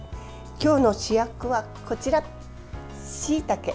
今日の主役はこちら、しいたけ。